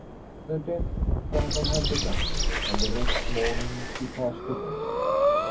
The death struggle had begun, and the next morning she passed away.